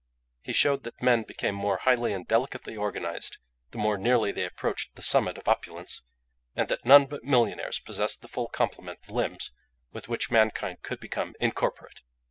He showed that men became more highly and delicately organised the more nearly they approached the summit of opulence, and that none but millionaires possessed the full complement of limbs with which mankind could become incorporate.